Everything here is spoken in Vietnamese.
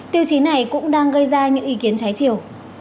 tiêu chí này cũng đang gây ra những ý kiến trái chiều